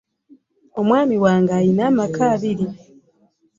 Omwami wange alina amaka abiri.